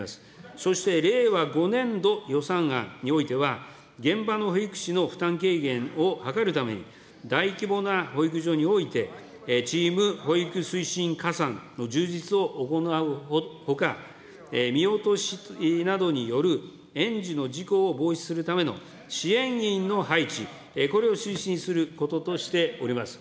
そして、令和５年度予算案においては、現場の保育士の負担軽減を図るために、大規模な保育所において、チーム保育推進加算の充実を行うほか、見落としなどによる園児の事故を防止するための支援員の配置、これを推進することとしております。